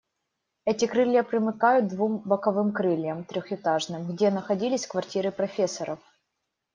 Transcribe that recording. Эти крылья примыкают к двум боковым крыльям, трехэтажным, где находились квартиры профессоров.